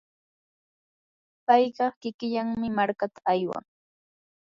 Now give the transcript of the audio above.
payqa kikillanmi markata aywan.